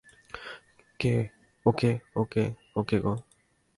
ও কে, ও কে, ও কে গো!